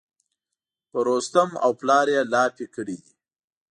په رستم او پلار یې لاپې کړي دي.